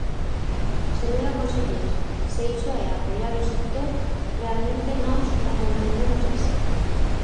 Señora conselleira, se iso é apoiar o sector, realmente nós non o entendemos así.